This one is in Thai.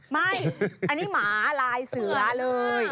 ไม่อันนี้หมาลายเสือเลย